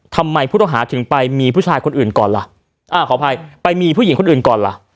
ทำไมผู้ต้องหาถึงไปมีผู้ชายคนอื่นก่อนล่ะอ่าขออภัยไปมีผู้หญิงคนอื่นก่อนล่ะ